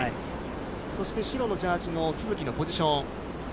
そして白のジャージの都筑のポジション。